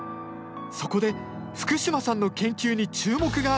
そこで福島さんの研究に注目が集まるように。